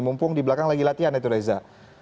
mumpung di belakang lagi latihan itu reza